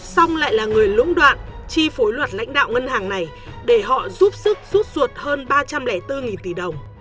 xong lại là người lũng đoạn chi phối luật lãnh đạo ngân hàng này để họ giúp sức rút ruột hơn ba trăm linh bốn tỷ đồng